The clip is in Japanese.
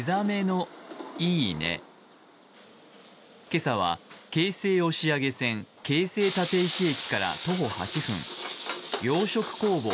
今朝は京成押上線京成立石駅から徒歩５分、洋食工房